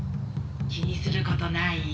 気にすることないよ。